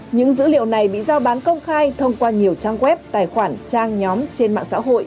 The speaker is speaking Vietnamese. những dữ liệu này bị giao bán công khai thông qua nhiều trang web tài khoản trang nhóm trên mạng xã hội